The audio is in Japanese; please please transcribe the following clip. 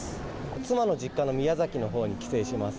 妻の実家の宮崎のほうに帰省します。